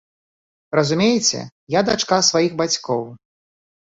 Разумееце, я дачка сваіх бацькоў.